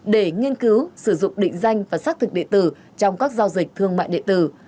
để nghiên cứu sử dụng định danh và xác thực địa tử trong các giao dịch thương mại điện tử